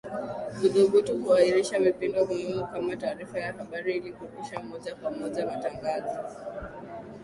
kuthubutu kuahirisha vipindi muhimu kama taarifa ya habari ili kurusha moja kwa moja matangazo